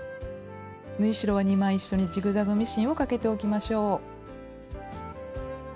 縫い代は２枚一緒にジグザグミシンをかけておきましょう。